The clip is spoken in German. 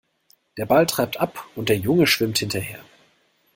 Der Ball treibt ab und der Junge schwimmt hinterher.